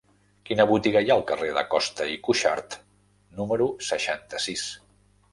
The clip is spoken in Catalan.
Quina botiga hi ha al carrer de Costa i Cuxart número seixanta-sis?